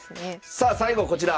さあ最後こちら！